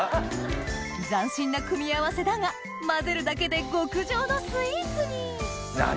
斬新な組み合わせだが混ぜるだけで極上のスイーツに何